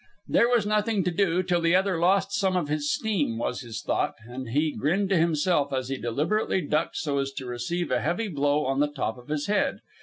There was nothing to do till the other lost some of his steam, was his thought, and he grinned to himself as he deliberately ducked so as to receive a heavy blow on the top of his head.